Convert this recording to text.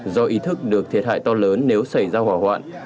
do ý thức được thiệt hại to lớn nếu xảy ra hỏa hoạn